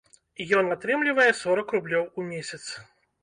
Ён атрымлівае сорак рублёў у месяц.